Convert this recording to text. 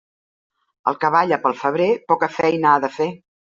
El que balla pel febrer poca feina ha de fer.